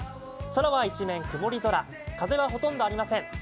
空は一面曇り空、風はほとんどありません。